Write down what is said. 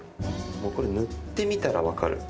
もうこれ塗ってみたら分かる。